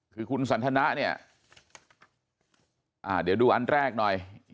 คือคุณสันทนะเนี่ยเดี๋ยวดูอันแรกหน่อย